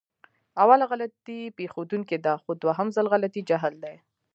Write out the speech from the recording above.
اوله غلطي پېښدونکې ده، خو دوهم ځل غلطي جهل دی.